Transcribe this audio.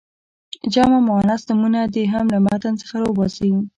جمع مؤنث نومونه دې هم له متن څخه را وباسي.